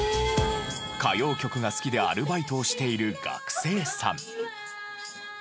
歌謡曲が好きでアルバイトをしている学生さん。